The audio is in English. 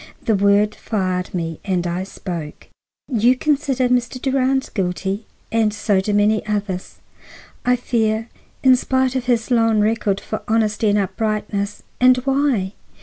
The word fired me, and I spoke. "You consider Mr. Durand guilty, and so do many others, I fear, in spite of his long record for honesty and uprightness. And why?